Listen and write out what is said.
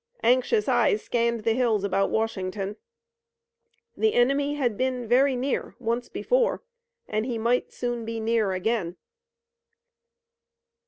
Anxious eyes scanned the hills about Washington. The enemy had been very near once before, and he might soon be near again.